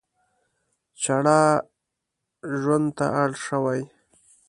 چړه ژوند ته اړ شوي.